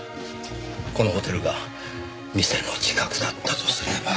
このホテルが店の近くだったとすれば。